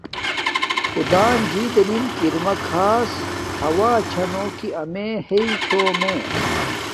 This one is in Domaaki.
خدݳن جِݵ دݵنِن کِرمݳ کھݳݽ ہݸݳ چھݳ نݸ کہ ݳمݺ ہݵئ چھݸمݺ.